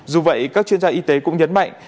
dù vậy các chuyên gia y tế cũng nhấn mạnh